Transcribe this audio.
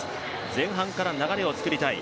前半から流れを作りたい。